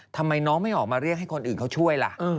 ทำไมน้องไม่ออกมาเรียกให้คนอื่นเขาช่วยล่ะ